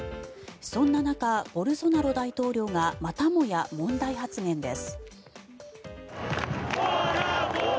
そんな中、ボルソナロ大統領がまたもや問題発言です。